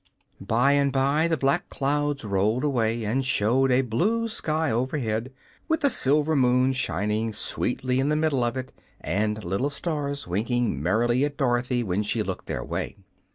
By and by the black clouds rolled away and showed a blue sky overhead, with a silver moon shining sweetly in the middle of it and little stars winking merrily at Dorothy when she looked their way.